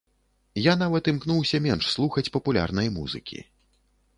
Я нават імкнуся менш слухаць папулярнай музыкі.